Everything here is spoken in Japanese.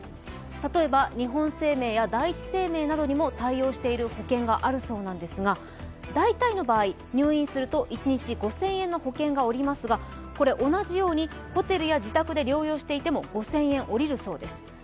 例えば日本生命や第一生命などにも対応している保険があるそうなんですが、大体の場合、入院すると一日５０００円の保険がおりますが同じようにホテルや自宅で療養していても保険金がおりるそうです。